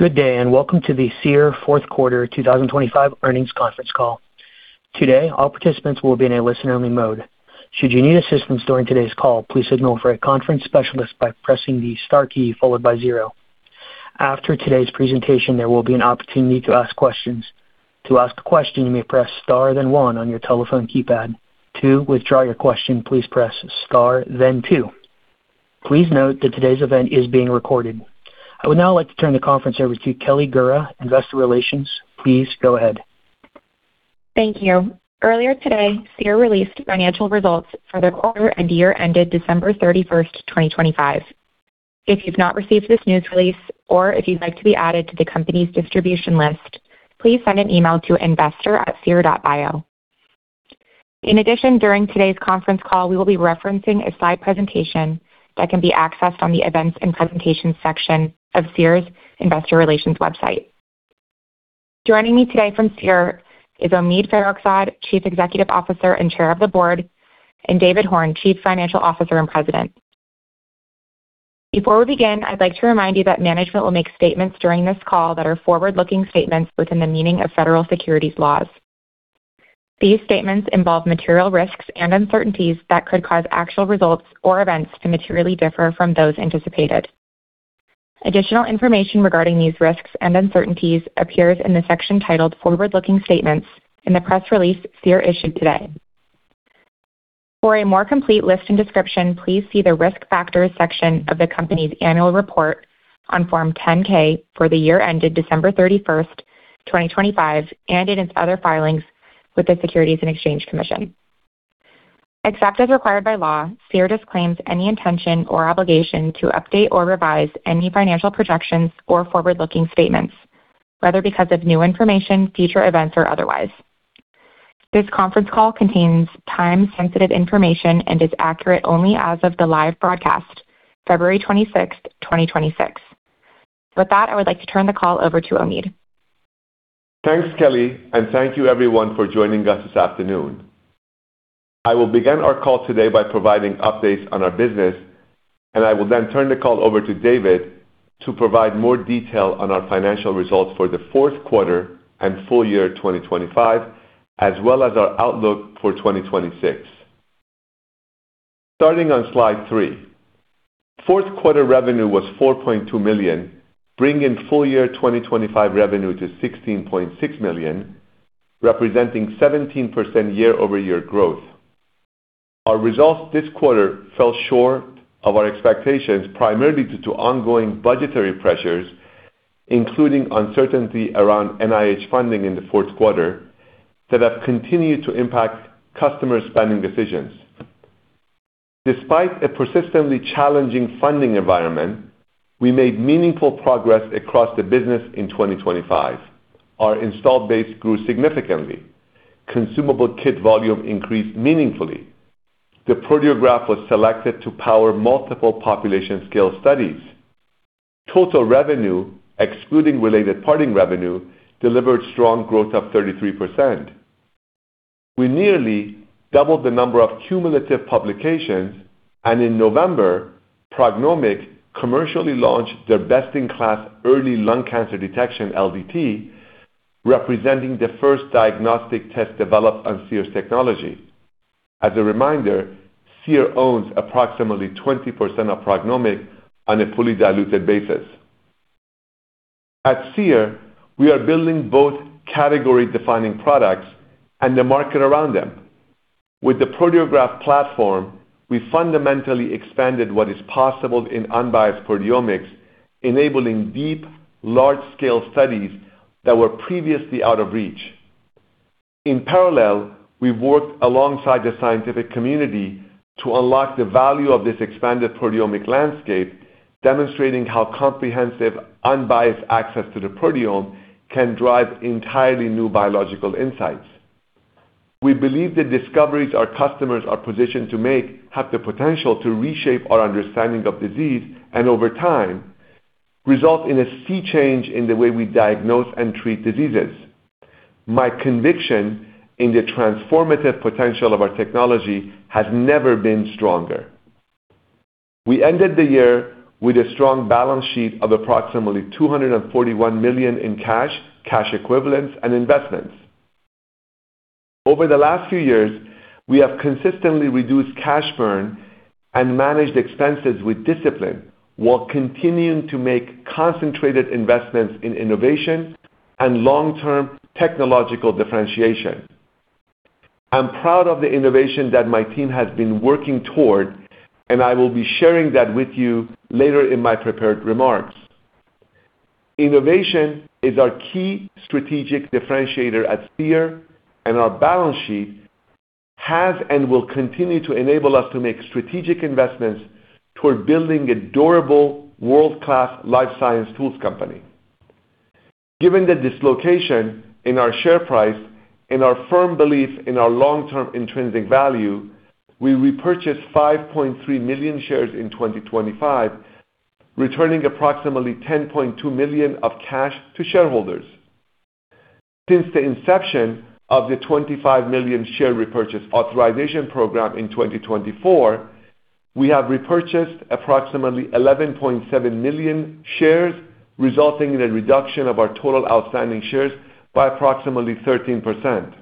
Good day, and welcome to the Seer fourth quarter 2025 earnings conference call. Today, all participants will be in a listen-only mode. Should you need assistance during today's call, please signal for a conference specialist by pressing the star key followed by zero. After today's presentation, there will be an opportunity to ask questions. To ask a question, you may press star, then one on your telephone keypad. To withdraw your question please press star, then two. Please note that today's event is being recorded. I would now like to turn the conference over to Kelly Gura, Investor Relations. Please go ahead. Thank you. Earlier today, Seer released financial results for the quarter and year ended December 31st, 2025. If you've not received this news release or if you'd like to be added to the company's distribution list, please send an email to investor@seer.bio. During today's conference call, we will be referencing a slide presentation that can be accessed on the Events and Presentations section of Seer's Investor Relations website. Joining me today from Seer is Omid Farokhzad, Chief Executive Officer and Chair of the Board, and David Horn, Chief Financial Officer and President. Before we begin, I'd like to remind you that management will make statements during this call that are forward-looking statements within the meaning of federal securities laws. These statements involve material risks and uncertainties that could cause actual results or events to materially differ from those anticipated. Additional information regarding these risks and uncertainties appears in the section titled Forward-Looking Statements in the press release Seer issued today. For a more complete list and description, please see the Risk Factors section of the company's annual report on Form 10-K for the year ended December 31st, 2025, and in its other filings with the Securities and Exchange Commission. Except as required by law, Seer disclaims any intention or obligation to update or revise any financial projections or forward-looking statements, whether because of new information, future events, or otherwise. This conference call contains time-sensitive information and is accurate only as of the live broadcast, February 26th, 2026. With that, I would like to turn the call over to Omid. Thanks, Kelly. Thank you everyone for joining us this afternoon. I will begin our call today by providing updates on our business. I will then turn the call over to David to provide more detail on our financial results for the fourth quarter and full year 2025, as well as our outlook for 2026. Starting on slide three. Fourth quarter revenue was $4.2 million, bringing full year 2025 revenue to $16.6 million, representing 17% year-over-year growth. Our results this quarter fell short of our expectations, primarily due to ongoing budgetary pressures, including uncertainty around NIH funding in the fourth quarter, that have continued to impact customer spending decisions. Despite a persistently challenging funding environment, we made meaningful progress across the business in 2025. Our installed base grew significantly. Consumable kit volume increased meaningfully. The Proteograph was selected to power multiple population scale studies. Total revenue, excluding related party revenue, delivered strong growth of 33%. We nearly doubled the number of cumulative publications. In November, PrognomiQ commercially launched their best-in-class early lung cancer detection, LDT, representing the first diagnostic test developed on Seer's technology. As a reminder, Seer owns approximately 20% of PrognomiQ on a fully diluted basis. At Seer, we are building both category-defining products and the market around them. With the Proteograph platform, we fundamentally expanded what is possible in unbiased proteomics, enabling deep, large-scale studies that were previously out of reach. In parallel, we've worked alongside the scientific community to unlock the value of this expanded proteomic landscape, demonstrating how comprehensive, unbiased access to the proteome can drive entirely new biological insights. We believe the discoveries our customers are positioned to make have the potential to reshape our understanding of disease and over time, result in a sea change in the way we diagnose and treat diseases. My conviction in the transformative potential of our technology has never been stronger. We ended the year with a strong balance sheet of approximately $241 million in cash equivalents, and investments. Over the last few years, we have consistently reduced cash burn and managed expenses with discipline, while continuing to make concentrated investments in innovation and long-term technological differentiation. I'm proud of the innovation that my team has been working toward, and I will be sharing that with you later in my prepared remarks. Innovation is our key strategic differentiator at Seer. Our balance sheet has and will continue to enable us to make strategic investments toward building a durable, world-class life science tools company. Given the dislocation in our share price and our firm belief in our long-term intrinsic value, we repurchased 5.3 million shares in 2025, returning approximately $10.2 million of cash to shareholders. Since the inception of the 25 million share repurchase authorization program in 2024, we have repurchased approximately 11.7 million shares, resulting in a reduction of our total outstanding shares by approximately 13%.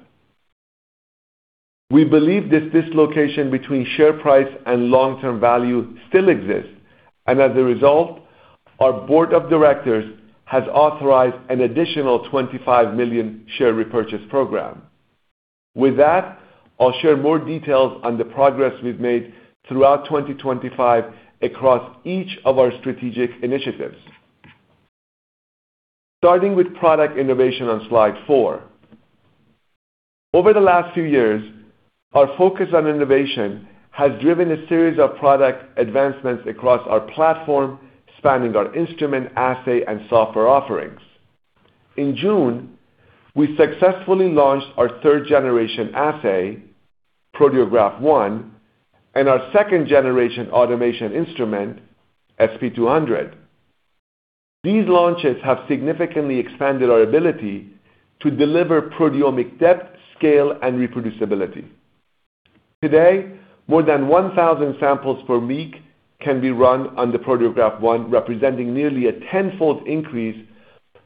We believe this dislocation between share price and long-term value still exists. As a result, our board of directors has authorized an additional 25 million share repurchase program. With that, I'll share more details on the progress we've made throughout 2025 across each of our strategic initiatives. Starting with product innovation on slide four. Over the last few years, our focus on innovation has driven a series of product advancements across our platform, spanning our instrument, assay, and software offerings. In June, we successfully launched our third-generation assay, Proteograph ONE, and our second-generation automation instrument, SP200. These launches have significantly expanded our ability to deliver proteomic depth, scale, and reproducibility. Today, more than 1,000 samples per week can be run on the Proteograph ONE, representing nearly a tenfold increase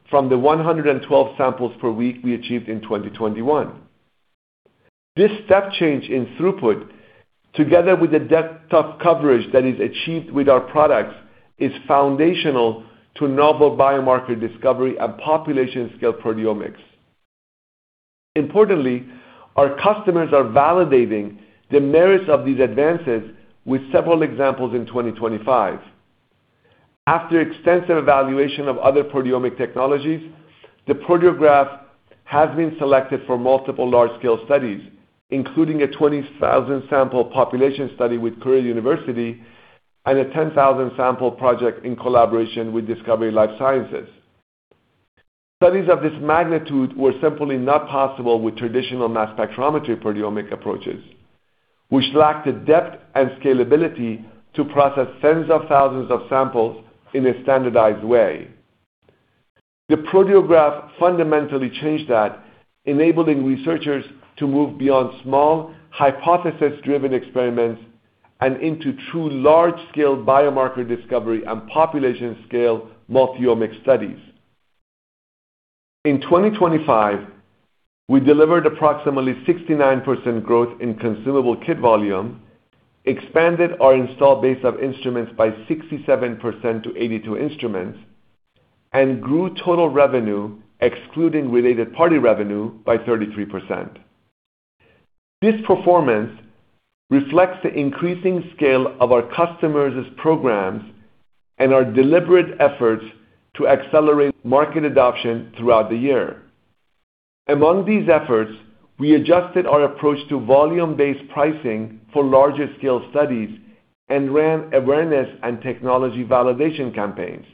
from the 112 samples per week we achieved in 2021. This step change in throughput, together with the depth of coverage that is achieved with our products, is foundational to novel biomarker discovery and population-scale proteomics. Importantly, our customers are validating the merits of these advances with several examples in 2025. After extensive evaluation of other proteomic technologies, the Proteograph has been selected for multiple large-scale studies, including a 20,000-sample population study with Korea University and a 10,000-sample project in collaboration with Discovery Life Sciences. Studies of this magnitude were simply not possible with traditional mass spectrometry proteomic approaches, which lacked the depth and scalability to process tens of thousands of samples in a standardized way. The Proteograph fundamentally changed that, enabling researchers to move beyond small, hypothesis-driven experiments and into true large-scale biomarker discovery and population scale multi-omic studies. In 2025, we delivered approximately 69% growth in consumable kit volume, expanded our installed base of instruments by 67% to 82 instruments, and grew total revenue, excluding related party revenue, by 33%. This performance reflects the increasing scale of our customers' programs and our deliberate efforts to accelerate market adoption throughout the year. Among these efforts, we adjusted our approach to volume-based pricing for larger scale studies and ran awareness and technology validation campaigns.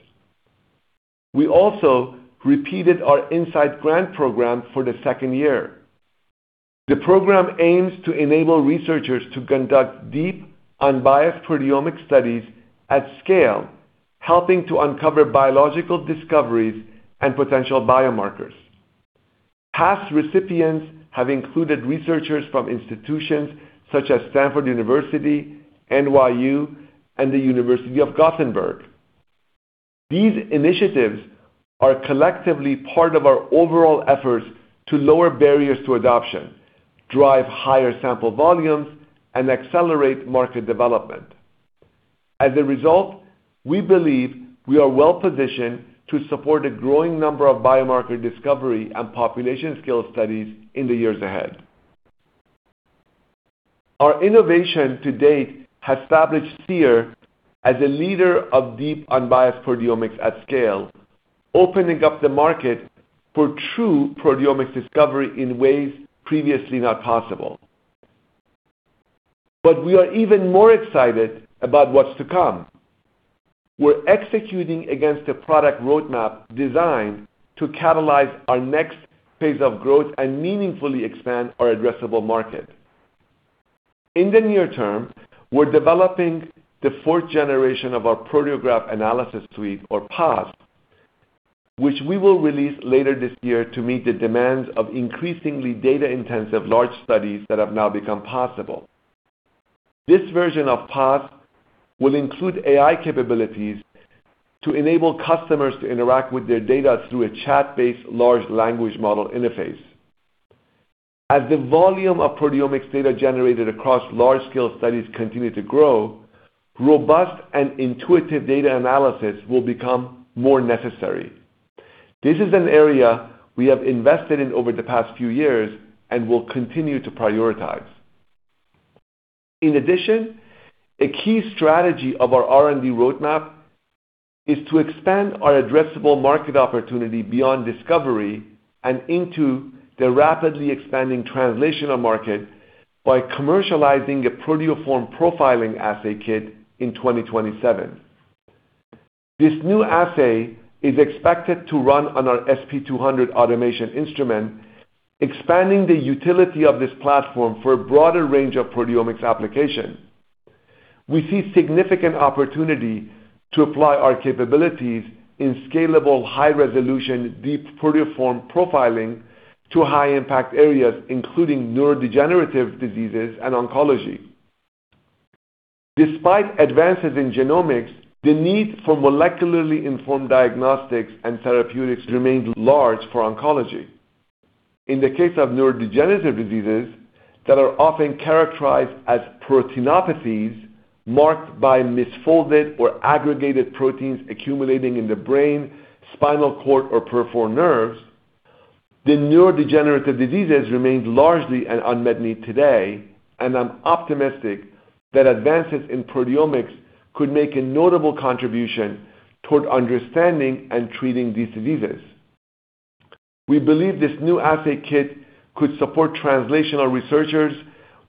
We also repeated our Insights Grant program for the second year. The program aims to enable researchers to conduct deep, unbiased proteomic studies at scale, helping to uncover biological discoveries and potential biomarkers. Past recipients have included researchers from institutions such as Stanford University, NYU, and the University of Gothenburg. These initiatives are collectively part of our overall efforts to lower barriers to adoption, drive higher sample volumes, and accelerate market development. As a result, we believe we are well-positioned to support a growing number of biomarker discovery and population-scale studies in the years ahead. Our innovation to date has established Seer as a leader of deep, unbiased proteomics at scale, opening up the market for true proteomics discovery in ways previously not possible. We are even more excited about what's to come. We're executing against a product roadmap designed to catalyze our next phase of growth and meaningfully expand our addressable market. In the near term, we're developing the fourth generation of our Proteograph Analysis Suite, or PAS, which we will release later this year to meet the demands of increasingly data-intensive large studies that have now become possible. This version of PAS will include AI capabilities to enable customers to interact with their data through a chat-based large language model interface. As the volume of proteomics data generated across large-scale studies continue to grow, robust and intuitive data analysis will become more necessary. This is an area we have invested in over the past few years and will continue to prioritize. In addition, a key strategy of our R&D roadmap is to expand our addressable market opportunity beyond discovery and into the rapidly expanding translational market by commercializing a proteoform profiling assay kit in 2027. This new assay is expected to run on our SP200 automation instrument, expanding the utility of this platform for a broader range of proteomics application. We see significant opportunity to apply our capabilities in scalable, high-resolution, deep proteoform profiling to high-impact areas, including neurodegenerative diseases and oncology. Despite advances in genomics, the need for molecularly informed diagnostics and therapeutics remains large for oncology. In the case of neurodegenerative diseases, that are often characterized as proteinopathies, marked by misfolded or aggregated proteins accumulating in the brain, spinal cord, or peripheral nerves, the neurodegenerative diseases remains largely an unmet need today. I'm optimistic that advances in proteomics could make a notable contribution toward understanding and treating these diseases. We believe this new assay kit could support translational researchers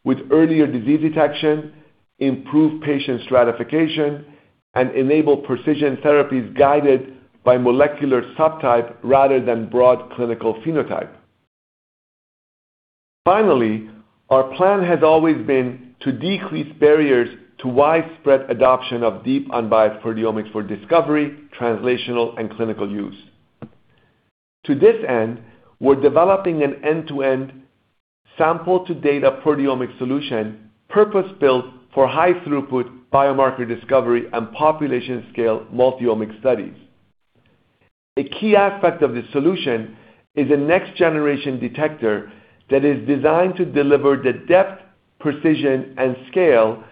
with earlier disease detection, improve patient stratification, and enable precision therapies guided by molecular subtype rather than broad clinical phenotype. Finally, our plan has always been to decrease barriers to widespread adoption of deep, unbiased proteomics for discovery, translational, and clinical use. To this end, we're developing an end-to-end sample-to-data proteomic solution, purpose-built for high-throughput biomarker discovery and population-scale multi-omic studies. A key aspect of this solution is a next-generation detector that is designed to deliver the depth, precision, and scale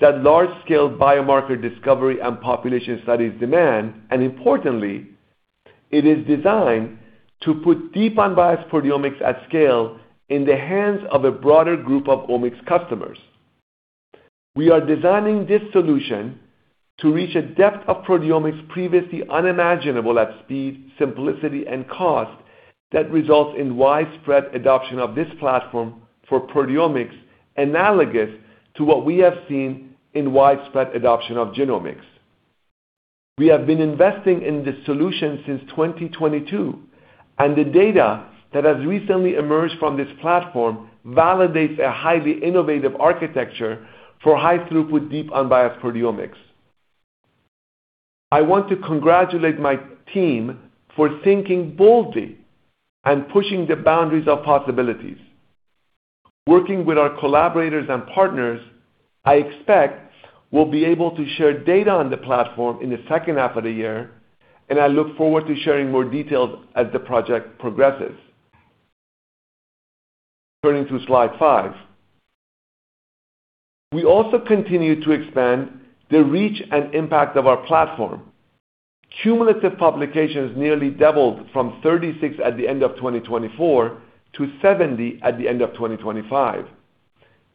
that large-scale biomarker discovery and population studies demand. Importantly, it is designed to put deep, unbiased proteomics at scale in the hands of a broader group of omics customers. We are designing this solution to reach a depth of proteomics previously unimaginable at speed, simplicity, and cost that results in widespread adoption of this platform for proteomics, analogous to what we have seen in widespread adoption of genomics. We have been investing in this solution since 2022. The data that has recently emerged from this platform validates a highly innovative architecture for high-throughput, deep, unbiased proteomics. I want to congratulate my team for thinking boldly and pushing the boundaries of possibilities. Working with our collaborators and partners, I expect we'll be able to share data on the platform in the second half of the year, I look forward to sharing more details as the project progresses. Turning to slide five. We also continue to expand the reach and impact of our platform. Cumulative publications nearly doubled from 36 at the end of 2024 to 70 at the end of 2025.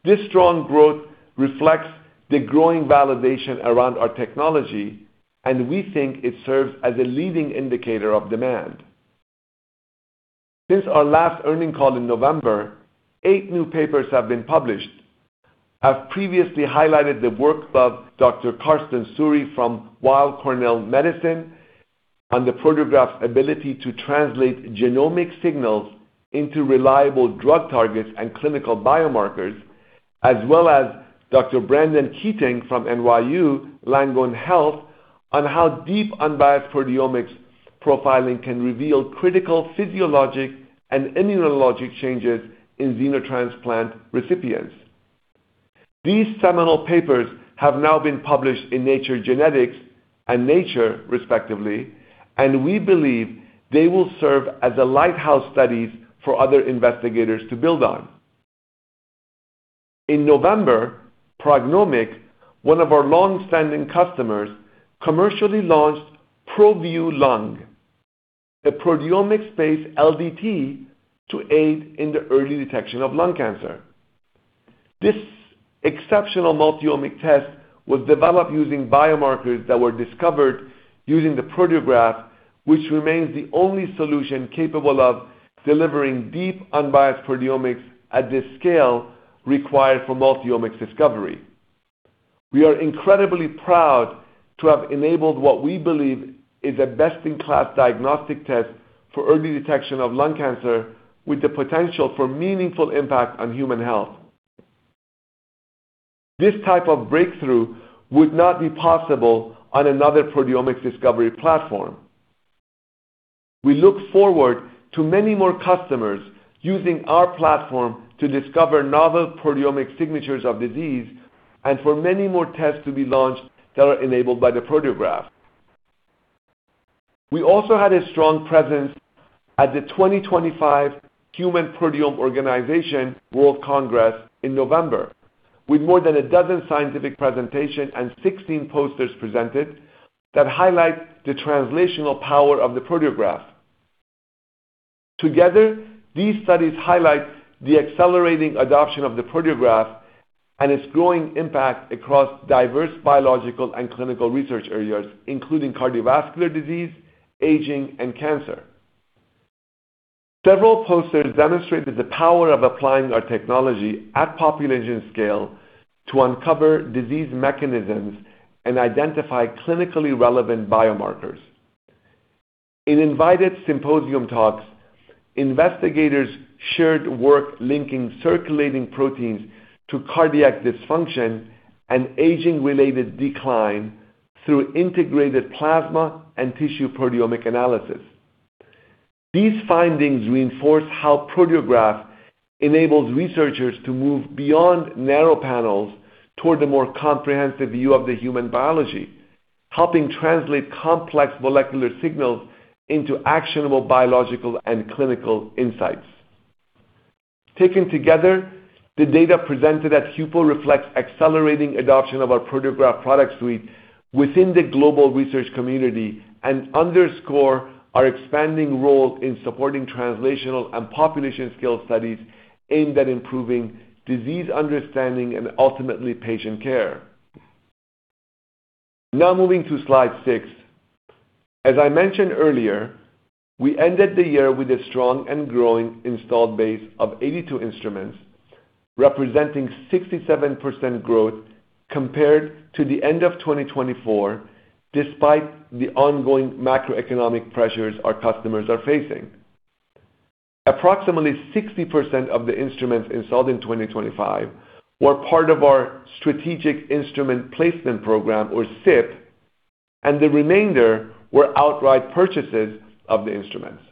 This strong growth reflects the growing validation around our technology, and we think it serves as a leading indicator of demand. Since our last earning call in November, eight new papers have been published. I've previously highlighted the work of Dr. Karsten Suhre from Weill Cornell Medicine on the Proteograph's ability to translate genomic signals into reliable drug targets and clinical biomarkers, as well as Dr. Brendan Keating from NYU Langone Health on how deep, unbiased proteomics profiling can reveal critical physiologic and immunologic changes in xenotransplant recipients. These seminal papers have now been published in Nature Genetics and Nature, respectively, and we believe they will serve as a lighthouse studies for other investigators to build on. In November, PrognomiQ, one of our long-standing customers, commercially launched ProVue Lung, a proteomics-based LDT to aid in the early detection of lung cancer. This exceptional multi-omic test was developed using biomarkers that were discovered using the Proteograph, which remains the only solution capable of delivering deep, unbiased proteomics at this scale required for multi-omics discovery. We are incredibly proud to have enabled what we believe is a best-in-class diagnostic test for early detection of lung cancer, with the potential for meaningful impact on human health. This type of breakthrough would not be possible on another proteomics discovery platform. We look forward to many more customers using our platform to discover novel proteomic signatures of disease, and for many more tests to be launched that are enabled by the Proteograph. We also had a strong presence at the 2025 Human Proteome Organization World Congress in November, with more than 12 scientific presentation and 16 posters presented, that highlight the translational power of the Proteograph. Together, these studies highlight the accelerating adoption of the Proteograph and its growing impact across diverse biological and clinical research areas, including cardiovascular disease, aging, and cancer. Several posters demonstrated the power of applying our technology at population scale to uncover disease mechanisms and identify clinically relevant biomarkers. In invited symposium talks, investigators shared work linking circulating proteins to cardiac dysfunction and aging-related decline through integrated plasma and tissue proteomic analysis. These findings reinforce how Proteograph enables researchers to move beyond narrow panels toward a more comprehensive view of the human biology, helping translate complex molecular signals into actionable biological and clinical insights. Taken together, the data presented at HUPO reflects accelerating adoption of our Proteograph product suite within the global research community, underscore our expanding role in supporting translational and population scale studies aimed at improving disease understanding and ultimately, patient care. Moving to slide six. As I mentioned earlier, we ended the year with a strong and growing installed base of 82 instruments, representing 67% growth compared to the end of 2024, despite the ongoing macroeconomic pressures our customers are facing. Approximately 60% of the instruments installed in 2025 were part of our Strategic Instrument Placement program, or SIP, The remainder were outright purchases of the instruments.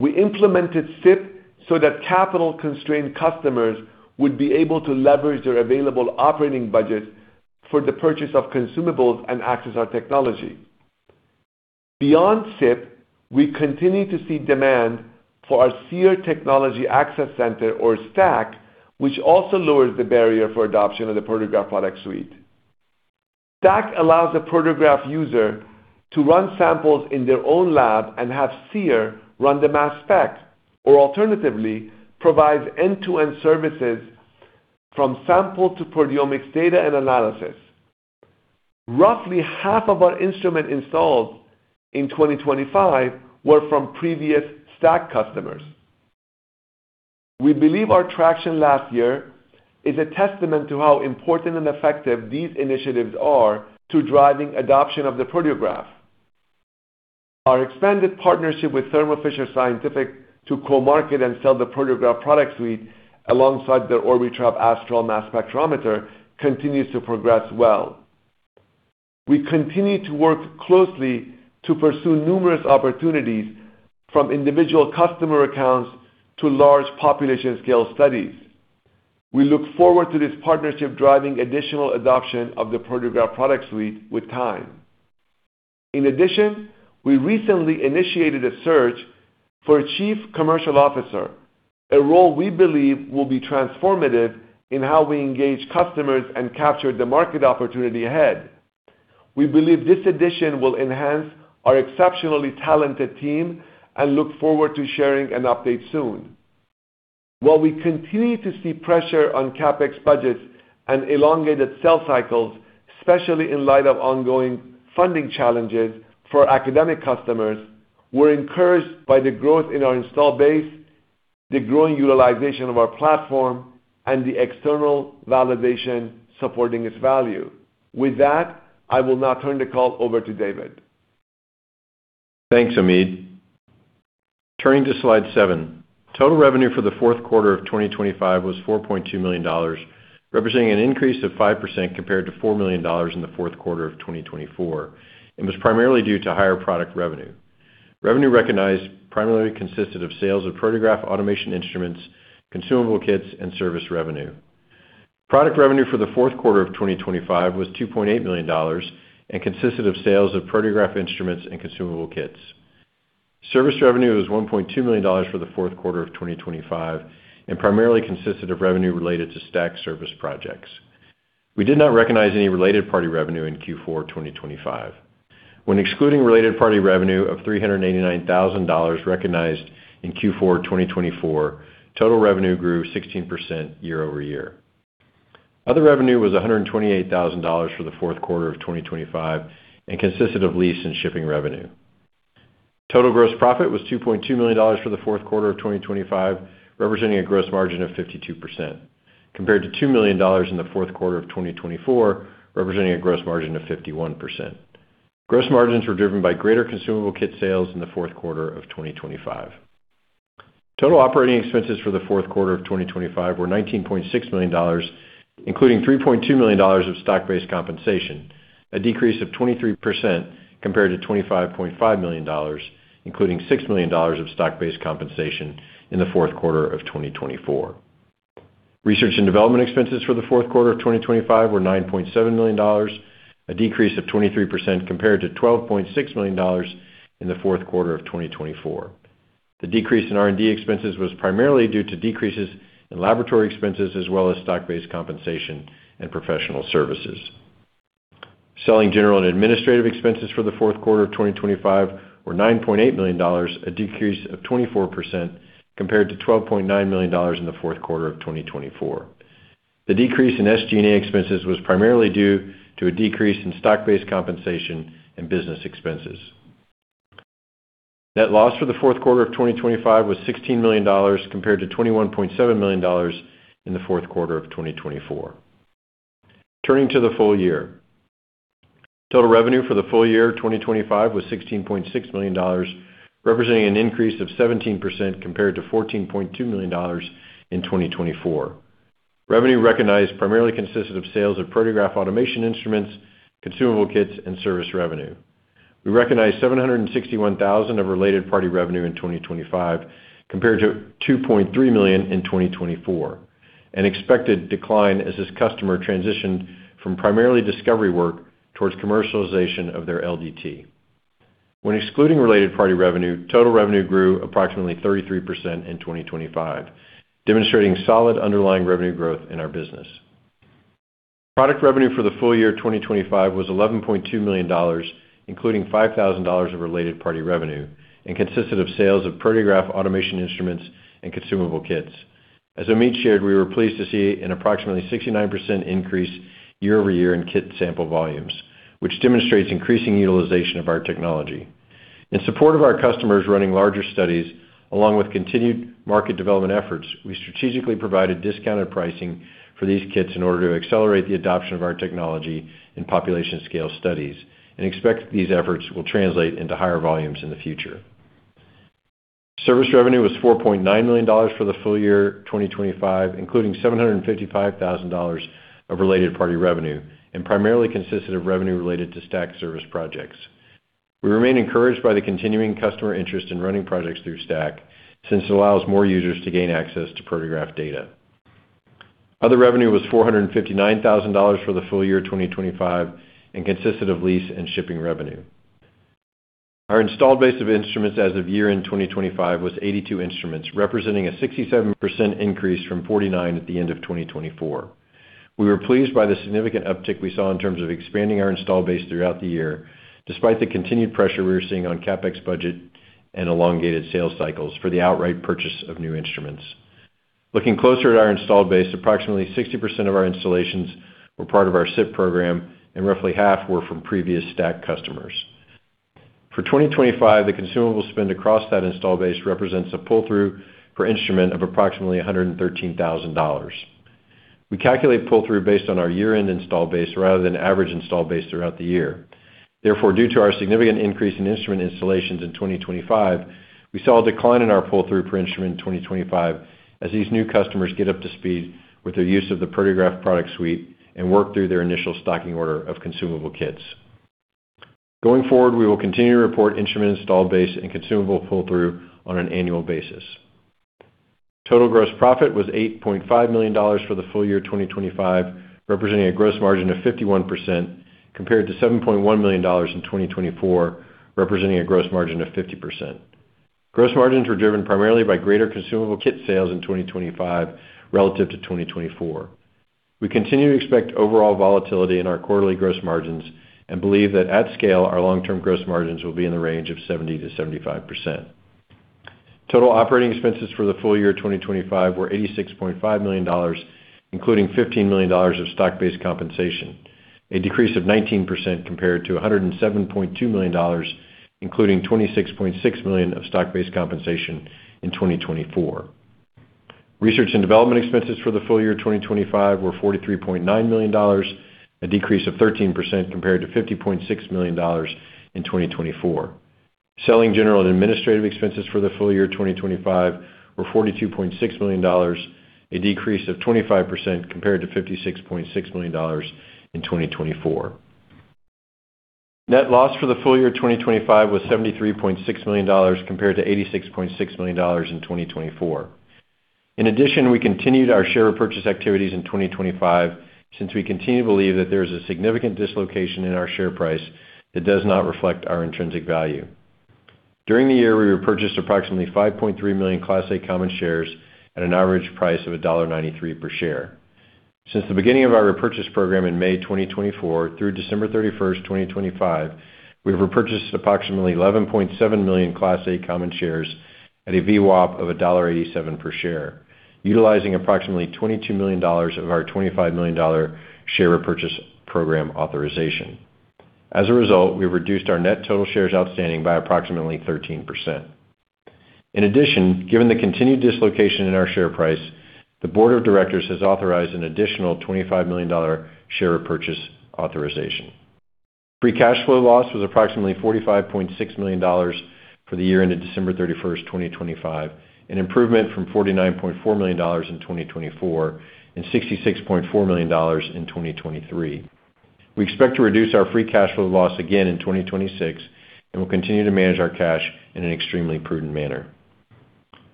We implemented SIP so that capital-constrained customers would be able to leverage their available operating budget for the purchase of consumables and access our technology. Beyond SIP, we continue to see demand for our Seer Technology Access Center, or STAC, which also lowers the barrier for adoption of the Proteograph product suite. STAC allows a Proteograph user to run samples in their own lab and have Seer run the mass spec, or alternatively, provides end-to-end services from sample to proteomics data and analysis. Roughly half of our instrument installs in 2025 were from previous STAC customers. We believe our traction last year is a testament to how important and effective these initiatives are to driving adoption of the Proteograph. Our expanded partnership with Thermo Fisher Scientific to co-market and sell the Proteograph product suite, alongside their Orbitrap Astral mass spectrometer, continues to progress well. We continue to work closely to pursue numerous opportunities, from individual customer accounts to large population scale studies. We look forward to this partnership driving additional adoption of the Proteograph product suite with time. We recently initiated a search for a chief commercial officer, a role we believe will be transformative in how we engage customers and capture the market opportunity ahead. We believe this addition will enhance our exceptionally talented team, and look forward to sharing an update soon. While we continue to see pressure on CapEx budgets and elongated sales cycles, especially in light of ongoing funding challenges for academic customers, we're encouraged by the growth in our installed base, the growing utilization of our platform, and the external validation supporting its value. With that, I will now turn the call over to David. Thanks, Omid. Turning to slide seven. Total revenue for the fourth quarter of 2025 was $4.2 million, representing an increase of 5% compared to $4 million in the fourth quarter of 2024, and was primarily due to higher product revenue. Revenue recognized primarily consisted of sales of Proteograph automation instruments, consumable kits, and service revenue. Product revenue for the fourth quarter of 2025 was $2.8 million, and consisted of sales of Proteograph instruments and consumable kits. Service revenue was $1.2 million for the fourth quarter of 2025, and primarily consisted of revenue related to STAC service projects. We did not recognize any related party revenue in Q4 2025. When excluding related party revenue of $389,000 recognized in Q4 2024, total revenue grew 16% year-over-year. Other revenue was $128,000 for the fourth quarter of 2025, and consisted of lease and shipping revenue. Total gross profit was $2.2 million for the fourth quarter of 2025, representing a gross margin of 52%, compared to $2 million in the fourth quarter of 2024, representing a gross margin of 51%. Gross margins were driven by greater consumable kit sales in the fourth quarter of 2025. Total operating expenses for the fourth quarter of 2025 were $19.6 million, including $3.2 million of stock-based compensation, a decrease of 23% compared to $25.5 million, including $6 million of stock-based compensation in the fourth quarter of 2024. Research and development expenses for the fourth quarter of 2025 were $9.7 million, a decrease of 23% compared to $12.6 million in the fourth quarter of 2024. The decrease in R&D expenses was primarily due to decreases in laboratory expenses, as well as stock-based compensation and professional services. Selling, general, and administrative expenses for the fourth quarter of 2025 were $9.8 million, a decrease of 24% compared to $12.9 million in the fourth quarter of 2024. The decrease in SG&A expenses was primarily due to a decrease in stock-based compensation and business expenses. Net loss for the fourth quarter of 2025 was $16 million, compared to $21.7 million in the fourth quarter of 2024. Turning to the full year. Total revenue for the full year 2025 was $16.6 million, representing an increase of 17% compared to $14.2 million in 2024. Revenue recognized primarily consisted of sales of Proteograph automation instruments, consumable kits, and service revenue. We recognized $761,000 of related party revenue in 2025, compared to $2.3 million in 2024, an expected decline as this customer transitioned from primarily discovery work towards commercialization of their LDT. Excluding related party revenue, total revenue grew approximately 33% in 2025, demonstrating solid underlying revenue growth in our business. Product revenue for the full year 2025 was $11.2 million, including $5,000 of related party revenue, and consisted of sales of Proteograph automation instruments and consumable kits. As Omid shared, we were pleased to see an approximately 69% increase year-over-year in kit sample volumes, which demonstrates increasing utilization of our technology. In support of our customers running larger studies, along with continued market development efforts, we strategically provided discounted pricing for these kits in order to accelerate the adoption of our technology in population scale studies. We expect these efforts will translate into higher volumes in the future. Service revenue was $4.9 million for the full year 2025, including $755,000 of related party revenue. Primarily consisted of revenue related to STAC service projects. We remain encouraged by the continuing customer interest in running projects through STAC, since it allows more users to gain access to Proteograph data. Other revenue was $459,000 for the full year 2025, and consisted of lease and shipping revenue. Our installed base of instruments as of year-end 2025 was 82 instruments, representing a 67% increase from 49 at the end of 2024. We were pleased by the significant uptick we saw in terms of expanding our install base throughout the year, despite the continued pressure we are seeing on CapEx budget and elongated sales cycles for the outright purchase of new instruments. Looking closer at our installed base, approximately 60% of our installations were part of our SIPP program, and roughly half were from previous STAC customers. For 2025, the consumable spend across that install base represents a pull-through per instrument of approximately $113,000. We calculate pull-through based on our year-end install base rather than average install base throughout the year. Due to our significant increase in instrument installations in 2025, we saw a decline in our pull-through per instrument in 2025 as these new customers get up to speed with their use of the Proteograph product suite and work through their initial stocking order of consumable kits. Going forward, we will continue to report instrument install base and consumable pull-through on an annual basis. Total gross profit was $8.5 million for the full year 2025, representing a gross margin of 51%, compared to $7.1 million in 2024, representing a gross margin of 50%. Gross margins were driven primarily by greater consumable kit sales in 2025 relative to 2024. We continue to expect overall volatility in our quarterly gross margins and believe that at scale, our long-term gross margins will be in the range of 70%-75%. Total operating expenses for the full year 2025 were $86.5 million, including $15 million of stock-based compensation, a decrease of 19% compared to $107.2 million, including $26.6 million of stock-based compensation in 2024. Research and development expenses for the full year 2025 were $43.9 million, a decrease of 13% compared to $50.6 million in 2024. Selling general and administrative expenses for the full year 2025 were $42.6 million, a decrease of 25% compared to $56.6 million in 2024. Net loss for the full year 2025 was $73.6 million, compared to $86.6 million in 2024. In addition, we continued our share repurchase activities in 2025, since we continue to believe that there is a significant dislocation in our share price that does not reflect our intrinsic value. During the year, we repurchased approximately 5.3 million Class A common shares at an average price of $1.93 per share. Since the beginning of our repurchase program in May 2024 through December 31st, 2025, we have repurchased approximately 11.7 million Class A common shares at a VWAP of $1.87 per share, utilizing approximately $22 million of our $25 million share repurchase program authorization. As a result, we've reduced our net total shares outstanding by approximately 13%. Given the continued dislocation in our share price, the board of directors has authorized an additional $25 million share repurchase authorization. Free cash flow loss was approximately $45.6 million for the year ended December 31st, 2025, an improvement from $49.4 million in 2024 and $66.4 million in 2023. We expect to reduce our free cash flow loss again in 2026. We'll continue to manage our cash in an extremely prudent manner.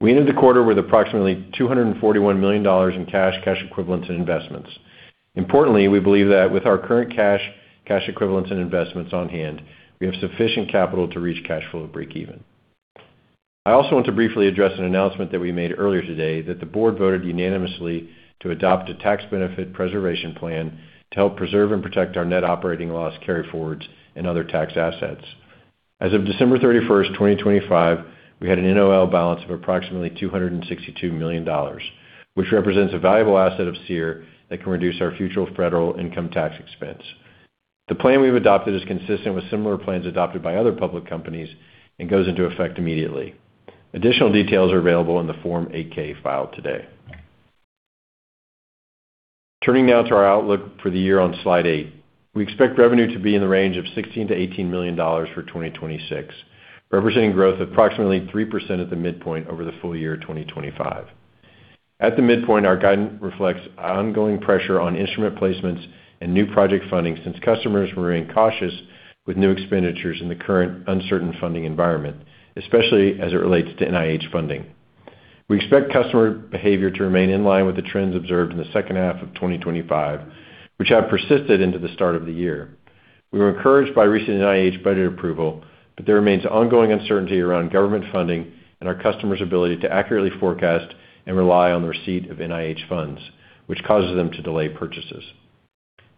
We ended the quarter with approximately $241 million in cash equivalents, and investments. Importantly, we believe that with our current cash equivalents, and investments on hand, we have sufficient capital to reach cash flow breakeven. I also want to briefly address an announcement that we made earlier today, that the board voted unanimously to adopt a tax benefit preservation plan to help preserve and protect our net operating loss, carry-forwards, and other tax assets. As of December 31st, 2025, we had an NOL balance of approximately $262 million, which represents a valuable asset of Seer that can reduce our future federal income tax expense. The plan we've adopted is consistent with similar plans adopted by other public companies and goes into effect immediately. Additional details are available in the Form 8-K filed today. Turning now to our outlook for the year on Slide eight. We expect revenue to be in the range of $16 million-$18 million for 2026, representing growth of approximately 3% at the midpoint over the full year, 2025. At the midpoint, our guidance reflects ongoing pressure on instrument placements and new project funding since customers remain cautious with new expenditures in the current uncertain funding environment, especially as it relates to NIH funding. We expect customer behavior to remain in line with the trends observed in the second half of 2025, which have persisted into the start of the year. We were encouraged by recent NIH budget approval, but there remains ongoing uncertainty around government funding and our customers' ability to accurately forecast and rely on the receipt of NIH funds, which causes them to delay purchases.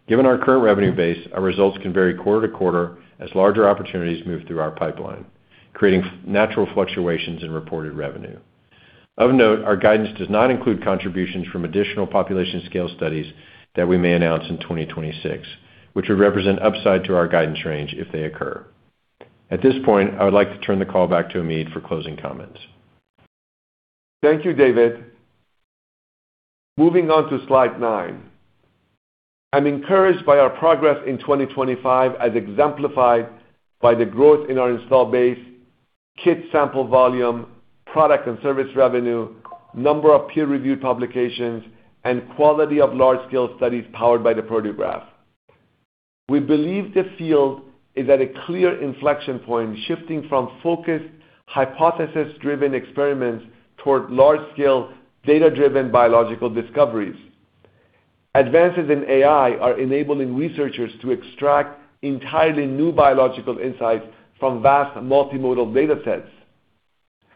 Given our current revenue base, our results can vary quarter to quarter as larger opportunities move through our pipeline, creating natural fluctuations in reported revenue. Of note, our guidance does not include contributions from additional population scale studies that we may announce in 2026, which would represent upside to our guidance range if they occur. At this point, I would like to turn the call back to Omid for closing comments. Thank you, David. Moving on to Slide nine. I'm encouraged by our progress in 2025, as exemplified by the growth in our install base, kit sample, volume, product and service revenue, number of peer-reviewed publications, and quality of large-scale studies powered by the Proteograph. We believe the field is at a clear inflection point, shifting from focused, hypothesis-driven experiments toward large-scale, data-driven biological discoveries. Advances in AI are enabling researchers to extract entirely new biological insights from vast multimodal data sets.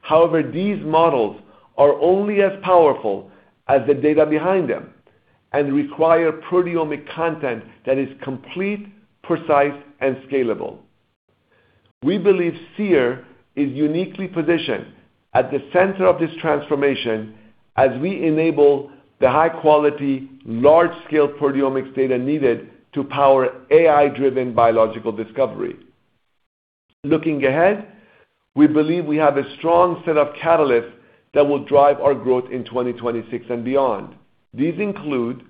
However, these models are only as powerful as the data behind them and require proteomic content that is complete, precise, and scalable. We believe Seer is uniquely positioned at the center of this transformation as we enable the high quality, large-scale proteomics data needed to power AI-driven biological discovery. Looking ahead, we believe we have a strong set of catalysts that will drive our growth in 2026 and beyond. These include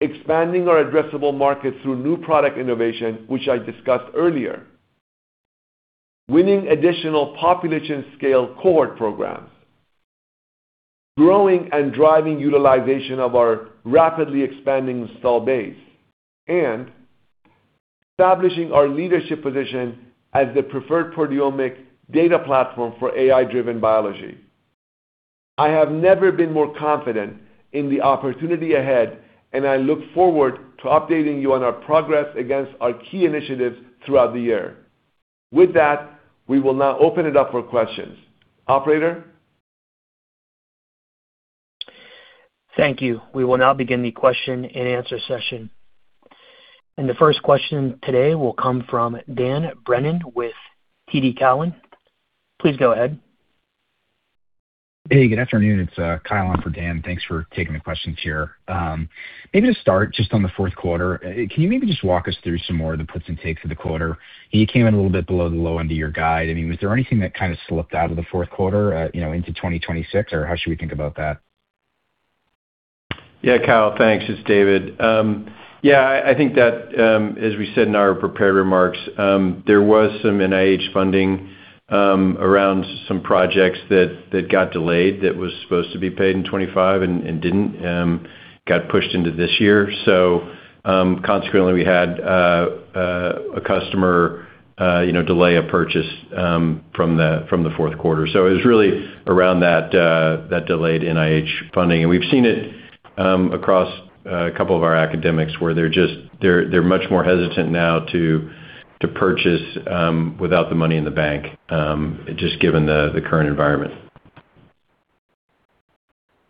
expanding our addressable market through new product innovation, which I discussed earlier, winning additional population scale cohort programs, growing and driving utilization of our rapidly expanding install base, and establishing our leadership position as the preferred proteomics data platform for AI-driven biology. I have never been more confident in the opportunity ahead, and I look forward to updating you on our progress against our key initiatives throughout the year. With that, we will now open it up for questions. Operator? Thank you. We will now begin the question-and-answer session. The first question today will come from Dan Brennan with TD Cowen. Please go ahead. Hey, good afternoon. It's, Kyle on for Dan. Thanks for taking the questions here. Maybe to start, just on the fourth quarter, can you maybe just walk us through some more of the puts and takes of the quarter? You came in a little bit below the low end of your guide. I mean, was there anything that kind of slipped out of the fourth quarter, you know, into 2026, or how should we think about that? Yeah, Kyle, thanks. It's David. I think that, as we said in our prepared remarks, there was some NIH funding, around some projects that got delayed that was supposed to be paid in 25 and didn't, got pushed into this year. Consequently, we had a customer, you know, delay a purchase from the fourth quarter. It was really around that delayed NIH funding. We've seen it, across a couple of our academics, where they're much more hesitant now to purchase, without the money in the bank, just given the current environment.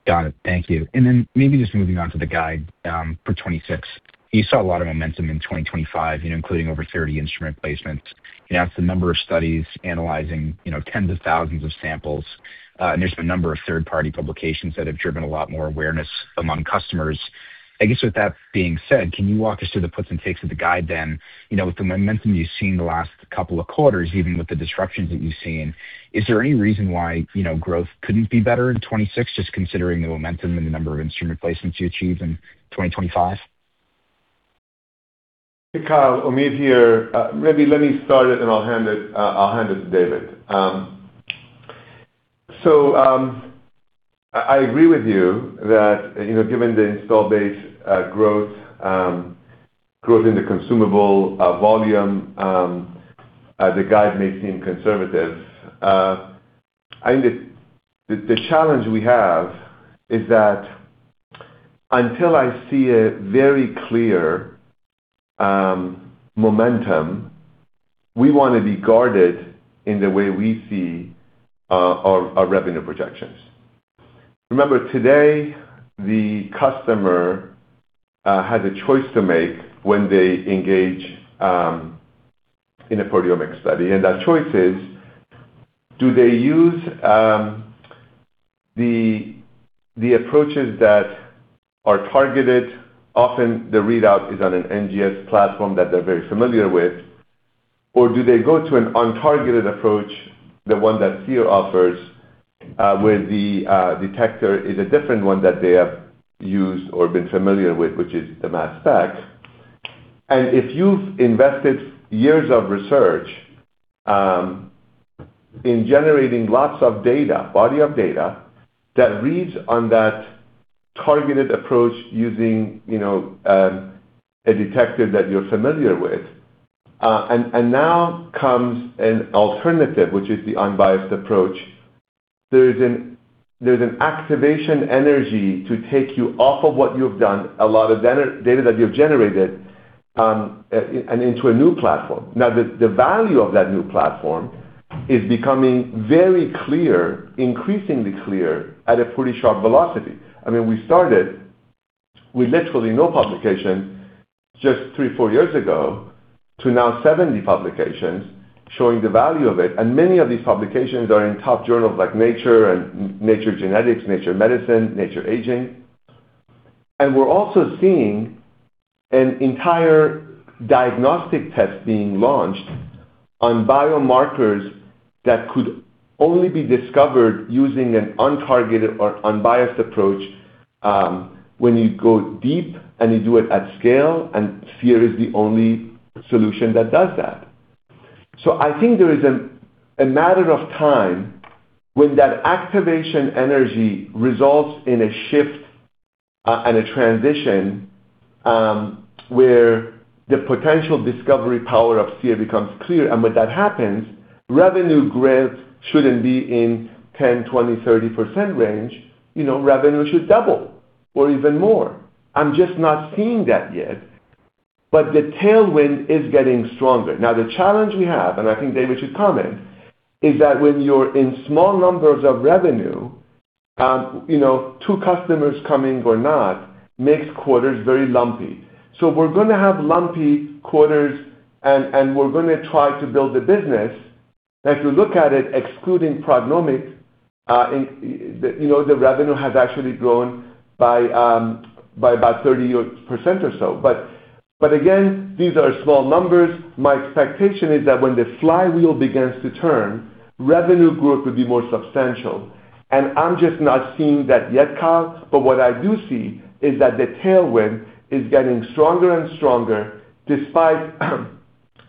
Got it. Thank you. Maybe just moving on to the guide for 2026. You saw a lot of momentum in 2025, including over 30 instrument placements, and that's the number of studies analyzing, you know, tens of thousands of samples. There's been a number of third-party publications that have driven a lot more awareness among customers. I guess, with that being said, can you walk us through the puts and takes of the guide then? You know, with the momentum you've seen in the last couple of quarters, even with the disruptions that you've seen, is there any reason why, you know, growth couldn't be better in 2026, just considering the momentum and the number of instrument placements you achieved in 2025? Kyle, Omid here. Maybe let me start it and I'll hand it, I'll hand it to David. I agree with you that, you know, given the install base growth in the consumable volume, the guide may seem conservative. I think the challenge we have is that until I see a very clear momentum, we want to be guarded in the way we see our revenue projections. Remember, today, the customer has a choice to make when they engage in a proteomic study, and that choice is: do they use. The approaches that are targeted, often the readout is on an NGS platform that they're very familiar with, or do they go to an untargeted approach, the one that Seer offers, where the detector is a different one that they have used or been familiar with, which is the mass spec. If you've invested years of research, in generating lots of data, body of data, that reads on that targeted approach using, you know, a detector that you're familiar with, and now comes an alternative, which is the unbiased approach, there's an activation energy to take you off of what you've done, a lot of data that you've generated, and into a new platform. The value of that new platform is becoming very clear, increasingly clear, at a pretty sharp velocity. I mean, we started with literally no publication just three, four years ago, to now 70 publications showing the value of it. Many of these publications are in top journals like Nature and Nature Genetics, Nature Medicine, Nature Aging. We're also seeing an entire diagnostic test being launched on biomarkers that could only be discovered using an untargeted or unbiased approach, when you go deep and you do it at scale, and Seer is the only solution that does that. I think there is a matter of time when that activation energy results in a shift, and a transition, where the potential discovery power of Seer becomes clear. When that happens, revenue growth shouldn't be in 10%, 20%, 30% range. You know, revenue should double or even more. I'm just not seeing that yet, but the tailwind is getting stronger. Now, the challenge we have, and I think David should comment, is that when you're in small numbers of revenue, you know, two customers coming or not, makes quarters very lumpy. We're gonna have lumpy quarters, and we're gonna try to build a business. If you look at it, excluding PrognomiQ, in, you know, the revenue has actually grown by about 30% or so. But again, these are small numbers. My expectation is that when the flywheel begins to turn, revenue growth will be more substantial. I'm just not seeing that yet, Kyle, but what I do see is that the tailwind is getting stronger and stronger, despite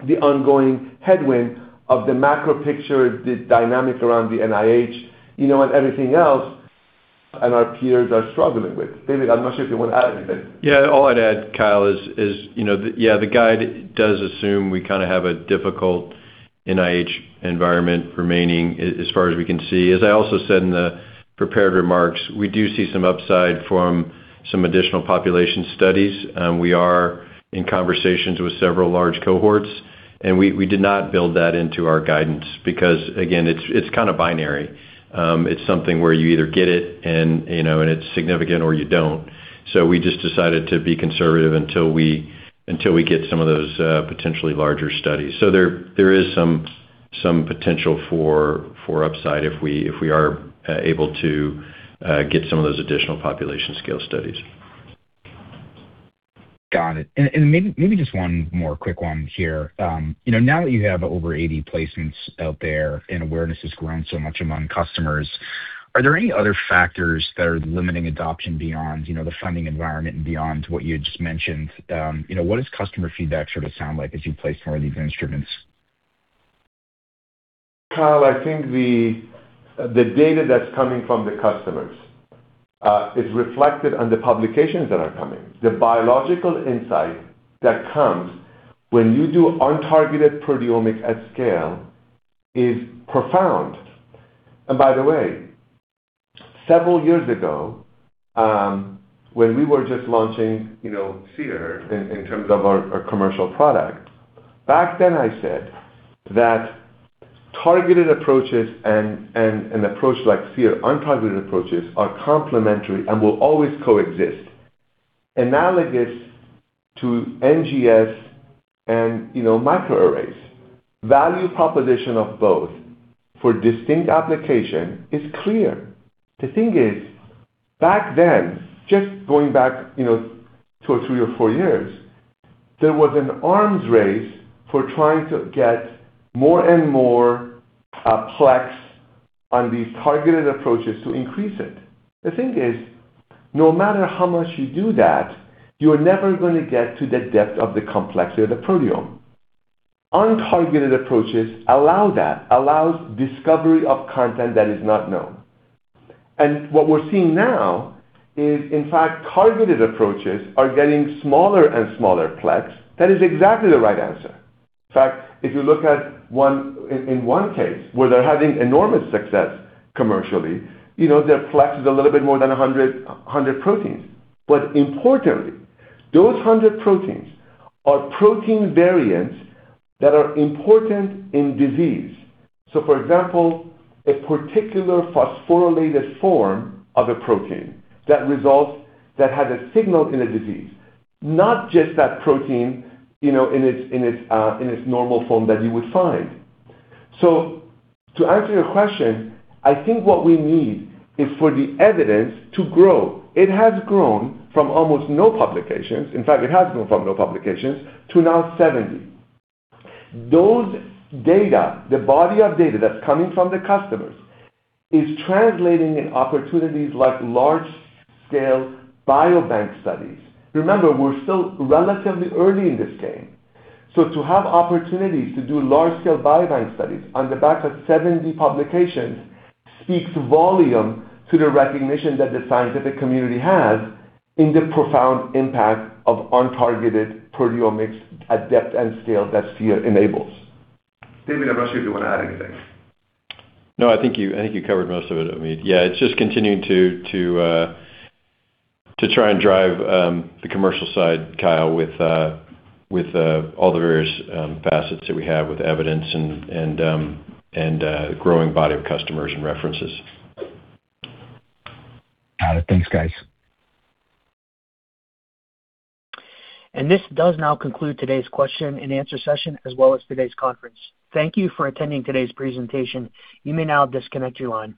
the ongoing headwind of the macro picture, the dynamic around the NIH, you know, and everything else, and our peers are struggling with. David, I'm not sure if you want to add anything. Yeah, all I'd add, Kyle, is, you know, yeah, the guide does assume we kinda have a difficult NIH environment remaining as far as we can see. As I also said in the prepared remarks, we do see some upside from some additional population studies, and we are in conversations with several large cohorts, and we did not build that into our guidance because, again, it's kind of binary. It's something where you either get it and, you know, and it's significant or you don't. We just decided to be conservative until we get some of those potentially larger studies. There is some potential for upside if we are able to get some of those additional population scale studies. Got it. Maybe just one more quick one here. You know, now that you have over 80 placements out there and awareness has grown so much among customers, are there any other factors that are limiting adoption beyond, you know, the funding environment and beyond what you had just mentioned? You know, what does customer feedback sort of sound like as you place more of these instruments? Kyle, I think the data that's coming from the customers is reflected on the publications that are coming. The biological insight that comes when you do untargeted proteomics at scale is profound. By the way, several years ago, when we were just launching, you know, Seer in terms of our commercial product, back then, I said that targeted approaches and an approach like Seer, untargeted approaches, are complementary and will always coexist. Analogous to NGS and, you know, microarrays. Value proposition of both for distinct application is clear. The thing is, back then, just going back, you know, two or three or four years, there was an arms race for trying to get more and more plex on these targeted approaches to increase it. The thing is, no matter how much you do that, you're never gonna get to the depth of the complexity of the proteome. Untargeted approaches allow that, allows discovery of content that is not known. What we're seeing now is, in fact, targeted approaches are getting smaller and smaller plex. That is exactly the right answer. In fact, if you look in one case, where they're having enormous success commercially, you know, their plex is a little bit more than 100 proteins. Importantly, those 100 proteins are protein variants that are important in disease. So, for example, a particular phosphorylated form of a protein that has a signal in a disease, not just that protein, you know, in its, in its normal form that you would find. To answer your question, I think what we need is for the evidence to grow. It has grown from almost no publications, in fact, it has grown from no publications, to now 70. Those data, the body of data that's coming from the customers, is translating in opportunities like large-scale biobank studies. Remember, we're still relatively early in this game, so to have opportunities to do large-scale biobank studies on the back of 70 publications, speaks volume to the recognition that the scientific community has in the profound impact of untargeted proteomics at depth and scale that Seer enables. David, I'm not sure if you want to add anything. I think you covered most of it, Omid. It's just continuing to try and drive the commercial side, Kyle, with all the various facets that we have with evidence and the growing body of customers and references. Got it. Thanks, guys. This does now conclude today's question-and-answer session, as well as today's conference. Thank you for attending today's presentation. You may now disconnect your lines.